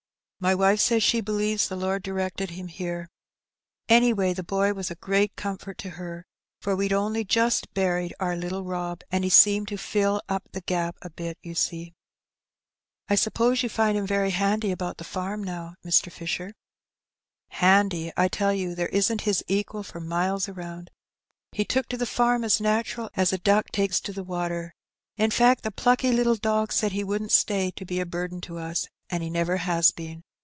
My wife says she believes the Lord directed him here. Any way, the boy was a great comfort to her, for we'd only just buried our little Rob, and he tseemed to fill up the gap a bit, you see." An Accident. 246 " I suppose you find him very handy about the farm now, Mr. Fisher ?''" Handy ! I tell you, there isn't his equal for miles around. He took to the farm as natural as a duck takes to the water. In fact, the plucky little dog said he wouldn't stay to be a burden to us, and he never has been.